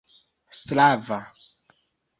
slava